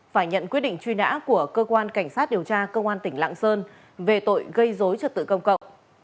phải nhận quyết định truy nã của cơ quan cảnh sát điều tra công an tỉnh lạng sơn về tội gây dối trật tự công cộng